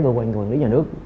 cơ quan quản lý nhà nước